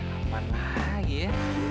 aman lah ya